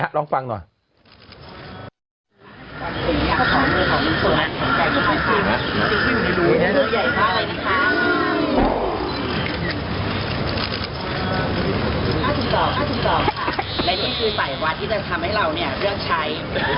ทำไมถมันแย่ละไง